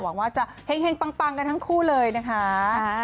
หวังว่าจะเห็งปังกันทั้งคู่เลยนะคะ